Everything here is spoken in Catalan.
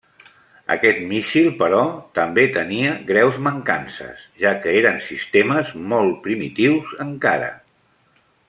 Aquest míssil però, també tenia greus mancances, ja que eren sistemes molt primitius, encara.